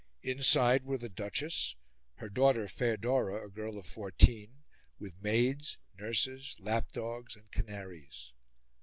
Inside were the Duchess, her daughter Feodora, a girl of fourteen, with maids, nurses, lap dogs, and canaries.